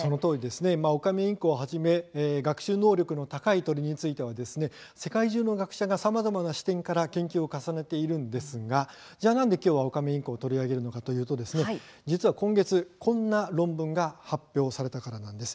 オカメインコをはじめ学習能力が高い鳥については世界中の学者がさまざまな視点から研究を重ねているんですが、ではなんできょうオカメインコを取り上げるのかというと今月、こんな論文が発表されたからなんです。